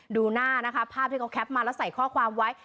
ดูหน้านะคะภาพที่เขาแคปมาแล้วใส่ข้อความไว้